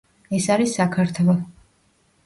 ეს არის საქართვ.